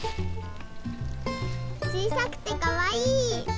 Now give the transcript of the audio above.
ちいさくてかわいい！